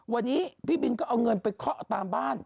วันนี้พี่บินก็เอาเงินไปเคาะตามบ้าน